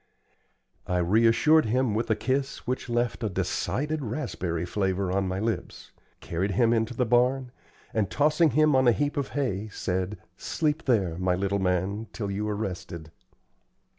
I reassured him with a kiss which left a decided raspberry flavor on my lips, carried him into the barn, and, tossing him on a heap of hay, said, "Sleep there, my little man, till you are rested."